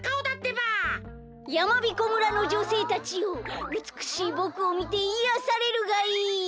やまびこ村のじょせいたちようつくしいぼくをみていやされるがいい！